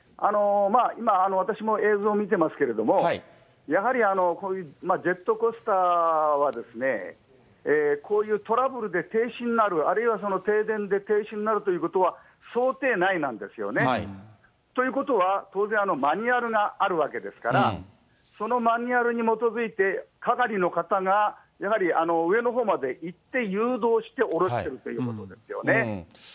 今、私も映像を見てますけれども、やはりこういうジェットコースターは、こういうトラブルで停止になる、あるいは停電で停止になるということは想定内なんですよね。ということは、当然、マニュアルがあるわけですから、そのマニュアルに基づいて、係の方がやはり、上のほうまで行って誘導して降ろすということですよね。